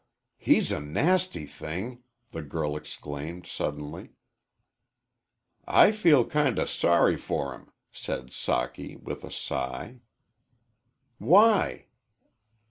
"He's a nasty thing," the girl exclaimed, suddenly. "I feel kind o' sorry for him," said Socky, with a sigh. "Why?"